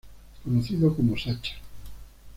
Conocido como "Sacha".